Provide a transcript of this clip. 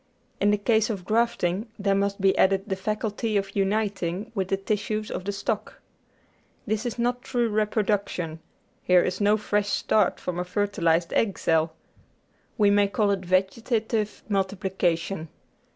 In the case of grafting there must be added the faculty of uniting with the tissues of the stock. This is not true reproduction ; here is no fresh start from a fertilised egg cell. We may call it vege tative multiplication.